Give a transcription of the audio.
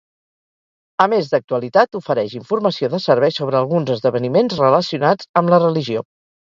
A més d'actualitat ofereix informació de servei sobre alguns esdeveniments relacionats amb la religió.